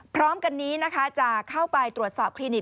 พร้อมกันนี้นะคะจะเข้าไปตรวจสอบคลินิก